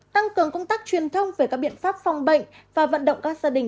tăng cường công tác truyền thông về các biện pháp phòng bệnh và vận động các gia đình